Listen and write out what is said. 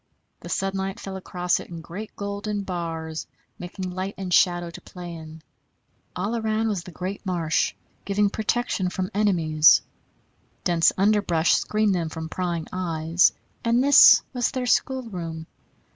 The sunlight fell across it in great golden bars, making light and shadow to play in; all around was the great marsh, giving protection from enemies; dense underbrush screened them from prying eyes and this was their schoolroom.